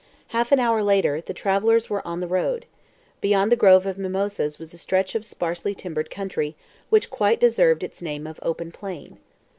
Half an hour later, the travelers were on the road. Beyond the grove of mimosas was a stretch of sparsely timbered country, which quite deserved its name of "open plain."